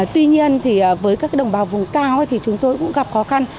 tuy nhiên với các đồng bào vùng cao chúng tôi cũng gặp khó khăn